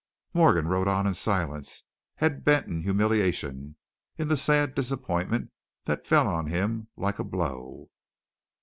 Morgan rode on in silence, head bent in humiliation, in the sad disappointment that fell on him like a blow.